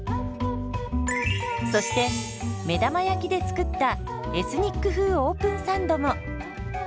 そして目玉焼きで作ったエスニック風オープンサンドも。